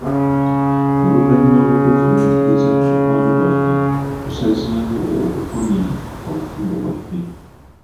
Oluvannyuma lw'okwefumiitiriza ku mukwano gwaffe, tusazeewo okukomya obufumbo bwaffe.